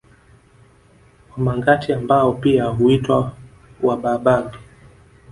Wamangati ambao pia huitwa Wabarbaig